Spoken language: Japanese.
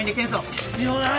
必要ない！